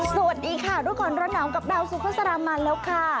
สวัสดีค่ะรู้ก่อนร้อนหนาวกับดาวสุภาษามาแล้วค่ะ